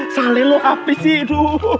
salih lu apa sih